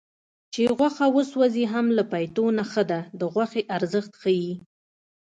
چې غوښه وسوځي هم له پیتو نه ښه ده د غوښې ارزښت ښيي